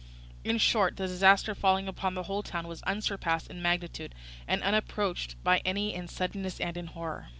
In short, the disaster falling upon the whole town was unsurpassed in magnitude, and unapproached by any in suddenness and in horror.